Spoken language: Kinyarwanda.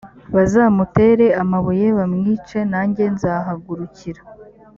bazamutere amabuye bamwice nanjye nzahagurukira